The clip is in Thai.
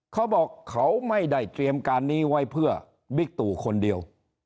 เขาบอกเขาไม่ได้เตรียมการนี้ไว้เพื่อบิ๊กตู่คนเดียว